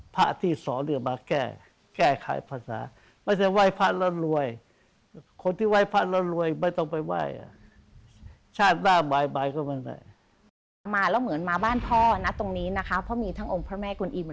เพราะมีทั้งอมารถพระแม่กลุ่นอิม๕๐๐๐๐๒